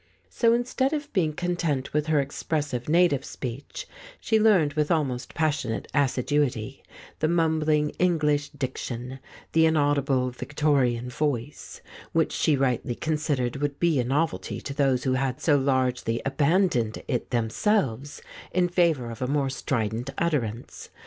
So instead of being content with her expres sive native speech, she learned with almost passionate 126 The False Step assiduity the mumbling English diction, the inaudible Victorian voice, which she rightly considered would be a novelty to those who had so largely abandoned it themselves in favour of a more strident utterance.